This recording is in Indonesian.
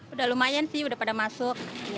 udah lumayan sih udah pada masuk